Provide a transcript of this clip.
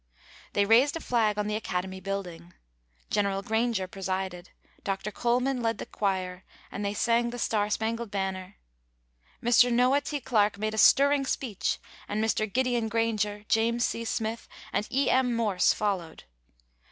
They raised a flag on the Academy building. General Granger presided, Dr. Coleman led the choir and they sang "The Star Spangled Banner." Mr. Noah T. Clarke made a stirring speech and Mr. Gideon Granger, James C. Smith and E. M. Morse followed.